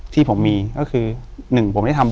อยู่ที่แม่ศรีวิรัยิลครับ